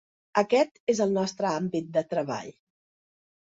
Aquest és el nostre àmbit de treball.